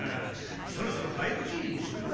そろそろ５Ｇにするか。